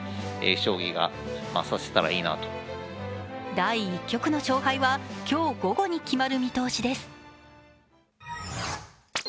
第１局の勝敗は今日午後に決まる見通しです。